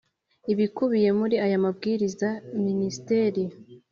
ibikubiye muri aya mabwiriza Minisiteri